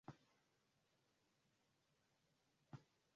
kuhusiana na harakati za kuhakikisha kunakuwepo na dawa zinazofaa